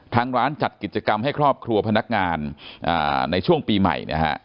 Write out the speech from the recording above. ทางร้านจัดกิจกรรมให้ครอบครัวพนักงานในช่วงปีใหม่นะฮะ